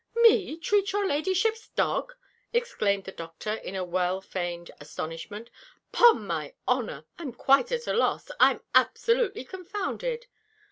"Me treat your Ladyship's dog!" exclaimed the Doctor in well feigned astonishment "Pon my honour! I'm quite at a loss! I'm absolutely confounded!"